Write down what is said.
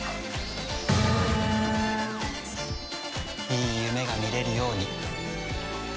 いい夢が見れるように。